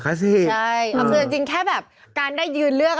เขาสิใช่เอาคือจริงแค่แบบการได้ยืนเลือก